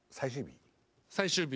最終日。